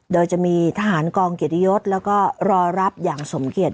โดยจะมีทหารกองเกียรติยศแล้วก็รอรับอย่างสมเกียจ